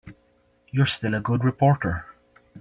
You're still a good reporter.